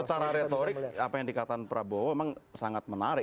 secara retorik apa yang dikatakan prabowo memang sangat menarik